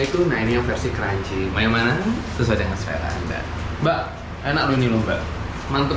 itu nah ini yang versi kerancing yang mana sesuai dengan selera anda mbak enak lu ini lho mbak mantep